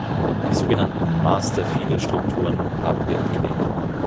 Die sogenannten master-feeder-Strukturen haben wir abgelehnt.